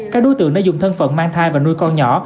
các đối tượng đã dùng thân phận mang thai và nuôi con nhỏ